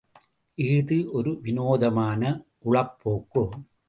இஃது ஒரு வினோதமான உளப்போக்கு!